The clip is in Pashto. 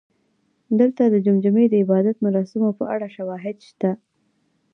دلته د جمجمې د عبادت مراسمو په اړه شواهد شته